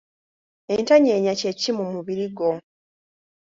Entanyeenya kye ki ku mubiri gwo?